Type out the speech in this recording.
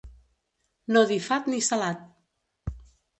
No dir fat ni salat.